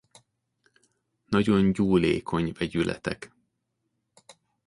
Nagyon gyúlékony vegyületek.